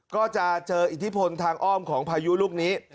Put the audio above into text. ก็จะเจออิทธิพลทางอ้อมของพายุลูกนี้